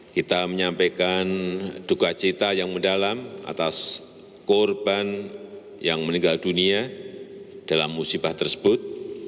kita menyampaikan duka cita yang mendalam atas korban yang meninggal dunia dalam musibah tersebut